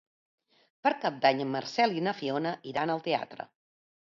Per Cap d'Any en Marcel i na Fiona iran al teatre.